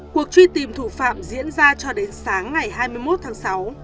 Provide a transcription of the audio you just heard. cuộc truy tìm thủ phạm diễn ra cho đến sáng ngày hai mươi một tháng sáu